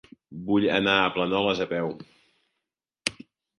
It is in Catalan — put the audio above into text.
Vull anar a Planoles a peu.